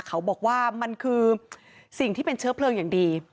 เขาบอกว่ามันคือสิ่งที่เป็นเชื้อเพลิงอย่างดี